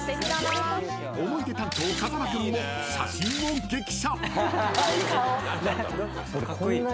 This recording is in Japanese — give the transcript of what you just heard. ［思い出担当風間君も写真を激写］